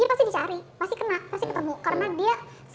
dia pasti dicari pasti kena pasti ketemu